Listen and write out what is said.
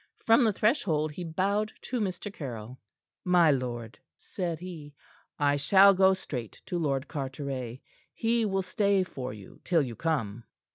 From the threshold he bowed to Mr. Caryll. "My lord," said he, "I shall go straight to Lord Carteret. He will stay for you till you come."